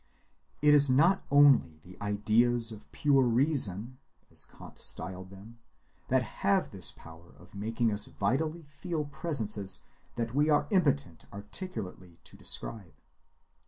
It is not only the Ideas of pure Reason, as Kant styled them, that have this power of making us vitally feel presences that we are impotent articulately to describe.